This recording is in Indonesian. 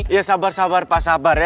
ya sabar sabar pak sabar ya